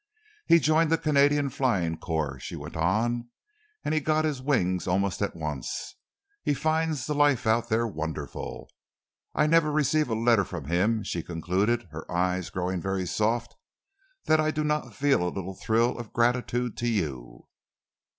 "He joined the Canadian Flying Corps," she went on, "and he got his wings almost at once. He finds the life out there wonderful. I never receive a letter from him," she concluded, her eyes growing very soft, "that I do not feel a little thrill of gratitude to you."